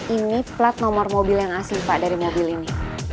ini plat nomor mobil yang asli pak dari mobil ini